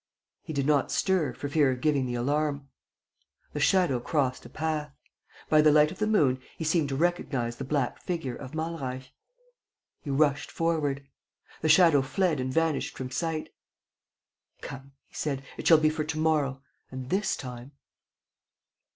He did not stir, for fear of giving the alarm. The shadow crossed a path. By the light of the moon, he seemed to recognize the black figure of Malreich. He rushed forward. The shadow fled and vanished from sight. "Come," he said, "it shall be for to morrow. And, this time.